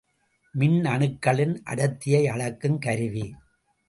மின்னணுக்களின் அடர்த்தியை அளக்கும் கருவி.